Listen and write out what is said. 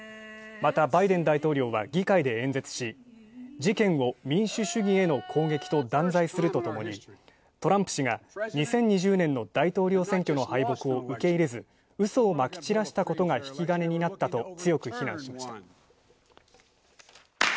また、バイデン大統領は議会で演説し、事件を「民主主義への攻撃」と断罪するとともにトランプ氏が２０２０年の大統領選挙の敗北を受け入れずうそをまき散らしたことが引き金になった強く非難しました。